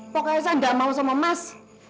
pokoknya saya gak mau sama emas